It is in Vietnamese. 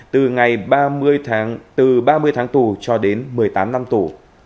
từ ba mươi tháng tủ cho đến một mươi tám năm tủ